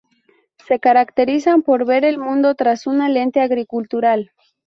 Se caracterizan por ver el mundo tras una lente agricultural.